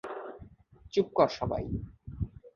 চুপ কর সবাই।